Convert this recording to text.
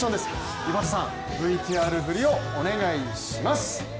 井端さん、ＶＴＲふりをお願いします。